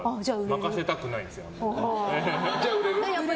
任せたくないです。